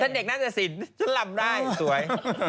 ฉันเด็กน่าจะสิทธิ์ฉันลำได้สวย